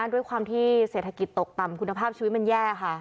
ด้วยความที่เศรษฐกิจตกต่ำคุณภาพชีวิตมันแย่ค่ะ